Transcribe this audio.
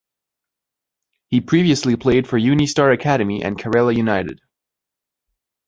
He previously played for Unistar Academy and Karela United.